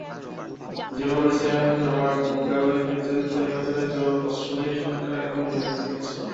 জিম্বাবুয়ের president Robert মুগাবের বিতর্কিত নির্বাচনের জবাবে অস্ট্রেলিয়া সরকার এমন সিদ্ধান্ত নিয়েছিল।